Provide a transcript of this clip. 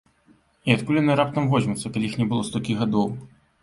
І адкуль яны раптам возьмуцца, калі іх не было столькі гадоў?!